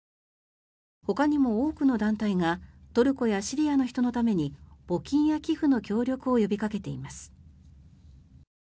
ほかにも多くの団体がトルコやシリアの人のために募金や寄付の協力を呼びかけています。